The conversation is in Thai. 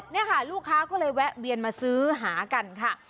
นี่ค่ะลูกค้าก็เลยแวะเวียนมาซื้อหากันค่ะ